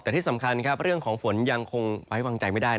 แต่ที่สำคัญครับเรื่องของฝนยังคงไว้วางใจไม่ได้